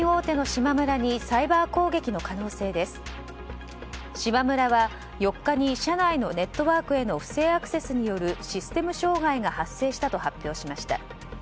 しまむらは４日に社内のネットワークへの不正アクセスによるシステム障害が発生したと発表しました。